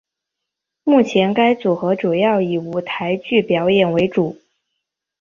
目前该组合主要以舞台剧表演为主。